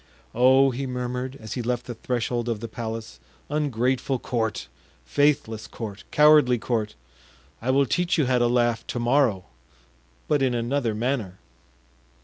"Oh!" he murmured, as he left the threshold of the palace: "ungrateful court! faithless court! cowardly court! I will teach you how to laugh to morrow—but in another manner."